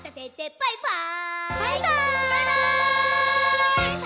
「バイバーイ！」